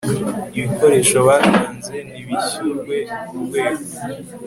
ibikoresho batanze ntibishyurwe urwego